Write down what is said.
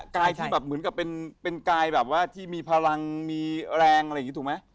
กายที่แบบเหมือนกับเป็นกายแบบว่าที่มีพลังมีแรงอะไรอย่างนี้ถูกไหม